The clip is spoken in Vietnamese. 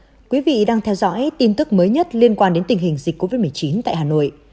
thưa quý vị đang theo dõi tin tức mới nhất liên quan đến tình hình dịch covid một mươi chín tại hà nội